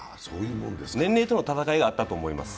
年齢との闘いがあったと思います。